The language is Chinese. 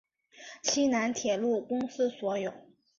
西南铁路公司所有。